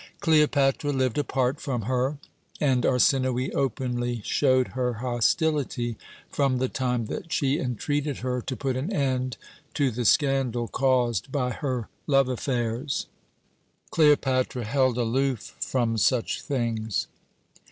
"Cleopatra lived apart from her, and Arsinoë openly showed her hostility from the time that she entreated her to put an end to the scandal caused by her love affairs. "Cleopatra held aloof from such things.